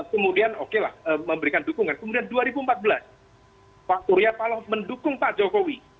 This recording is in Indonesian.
dua ribu sembilan kemudian oke lah memberikan dukungan kemudian dua ribu empat belas pak surya paloh mendukung pak jokowi